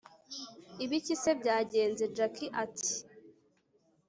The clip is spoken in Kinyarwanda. ibiki se byagenze!? jack ati